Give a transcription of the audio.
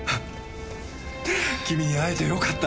君に会えてよかった。